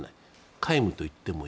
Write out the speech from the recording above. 皆無といってもいい。